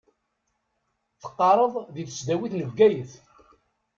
Teqqaṛeḍ di tesdawit n Bgayet.